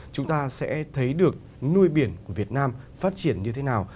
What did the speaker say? chúng ta sẽ thấy được nuôi biển của việt nam phát triển như thế nào